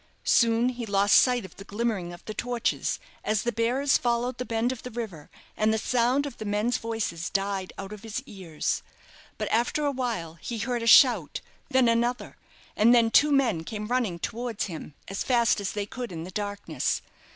Soon he lost sight of the glimmering of the torches, as the bearers followed the bend of the river, and the sound of the men's voices died out of his ears. But after a while he heard a shout, then another, and then two men came running towards him, as fast as they could in the darkness.